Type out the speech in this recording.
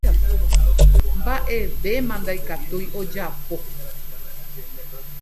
mba'evéma ndaikatúi ojapo